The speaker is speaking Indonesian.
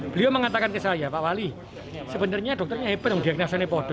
beliau mengatakan ke saya pak wali sebenarnya dokternya hebat dengan diagnosannya podo